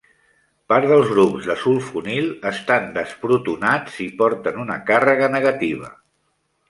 Part dels grups de sulfonil estan desprotonats i porten una càrrega negativa.